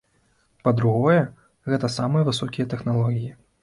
Па-другое, гэта самыя высокія тэхналогіі.